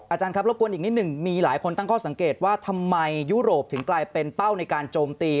อาจารย์ครับรบกวนอีกนิดหนึ่งมีหลายคนตั้งข้อสังเกตว่าทำไมยุโรปถึงกลายเป็นเป้าในการโจมตี